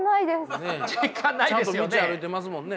ちゃんと道歩いてますもんね。